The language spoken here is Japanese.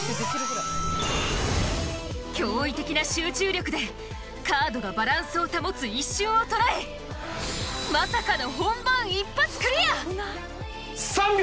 驚異的な集中力でカードがバランスを保つ一瞬を捉えまさかの本番３秒！